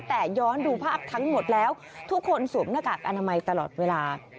แต่ย้อนดูภาพทั้งหมดแล้วทุกคนสวมหน้ากากอนามัยตลอดเวลา